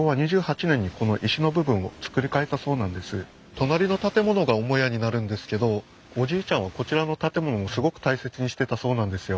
隣の建物が母屋になるんですけどおじいちゃんはこちらの建物をすごく大切にしてたそうなんですよ。